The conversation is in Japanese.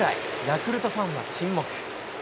ヤクルトファンは沈黙。